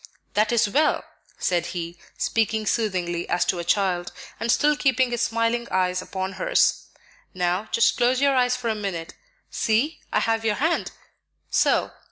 "That is well," said he, speaking soothingly as to a child, and still keeping his smiling eyes upon hers. "Now just close your eyes for a minute; see, I have your hand, so.